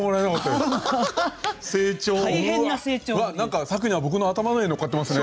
うわっ何かさくにゃん僕の頭の上に乗っかってますね。